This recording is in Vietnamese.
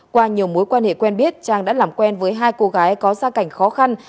qua nhiều mối quan hệ quen biết trang đã làm quen với hai cô gái có gia cảnh khó khăn